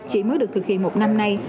chỉ mới được thực hiện một năm nay